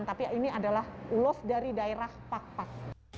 tapi ini adalah ulos dari daerah pakpak